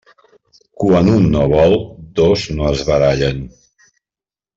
Quan un no vol, dos no es barallen.